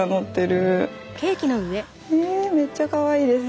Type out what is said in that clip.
えめっちゃかわいいです。